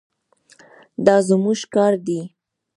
دا زموږ کار دی.